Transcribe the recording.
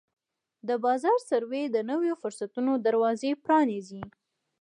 د بازار سروې د نویو فرصتونو دروازې پرانیزي.